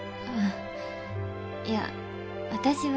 いや私は。